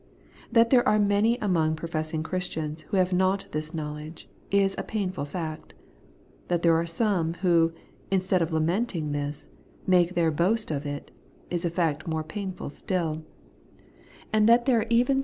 That there are many among professing Christians who have not this knowledge, is a painful fact ; that there are some who, instead of lamenting this, make their boast of it, is a fact more painful still ; that there are even The Pardon and the Peace made sure.